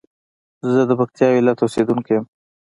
زه د پکتيا ولايت اوسېدونکى يم.